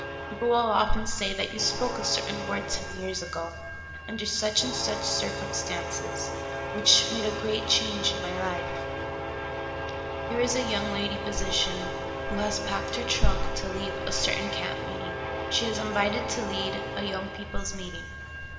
People will often say that you spoke a certain word to me years ago, under such and such circumstances, which made a great change in my life. Here is a young lady phj^si cian who has packed her trunk to leave a certain camp meeting. She is invited to lead a 3'Oung people's meeting.